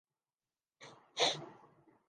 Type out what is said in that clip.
مدت ہوئی ہے دعوت آب و ہوا کیے